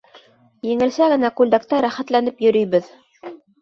Еңелсә генә күлдәктә рәхәтләнеп йөрөйбөҙ.